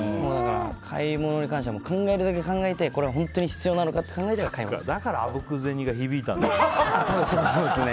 買い物に関しては考えるだけ考えて本当に必要か考えてからだからあぶく銭が響いたんだね。